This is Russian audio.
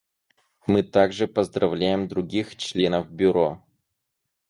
Мы также поздравляем других членов Бюро.